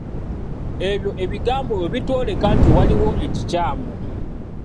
Ebyo ebigambo byo bitwoleka nti waliwo ekikyamu.